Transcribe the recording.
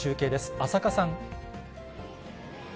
浅賀さん。